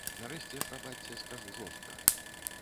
Нарэшце, прабачце, скажу жорстка.